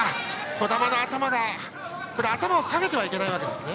児玉は頭を下げてはいけないわけですね。